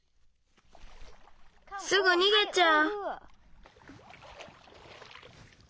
すぐにげちゃう。